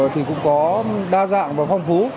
thì cũng có đa dạng và phong phú